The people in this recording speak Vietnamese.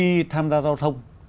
khi tham gia giao thông